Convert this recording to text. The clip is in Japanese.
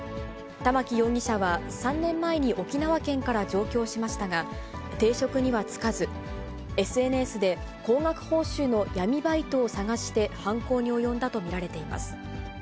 玉城容疑者は３年前に沖縄県から上京しましたが、定職には就かず、ＳＮＳで高額報酬の闇バイトを探して、犯行に及んだと見られています。